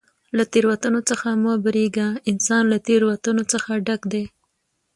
له تېروتنو څخه مه بېرېږه! انسان له تېروتنو څخه ډک دئ.